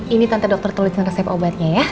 ini tante dokter tulisan resep obatnya ya